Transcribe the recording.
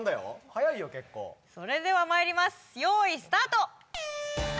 早いよ結構それではまいります用意スタート！